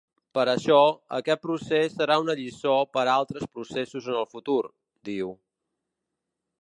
Per això, aquest procés serà una lliçó per altres processos en el futur, diu.